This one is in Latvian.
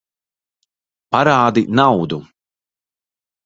Parādi naudu!